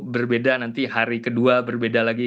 berbeda nanti hari kedua berbeda lagi